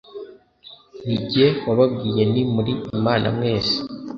ni jye wababwiye nti muri imana mwese